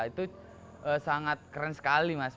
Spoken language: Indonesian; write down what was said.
itu sangat keren sekali mas